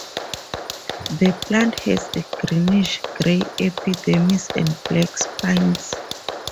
The plant has a greenish-gray epidermis and black spines.